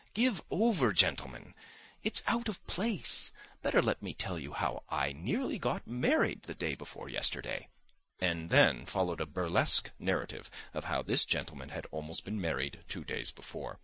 "Give over, gentlemen, it's out of place. Better let me tell you how I nearly got married the day before yesterday...." And then followed a burlesque narrative of how this gentleman had almost been married two days before.